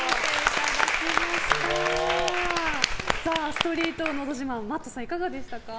ストリートのど自慢Ｍａｔｔさん、いかがでしたか？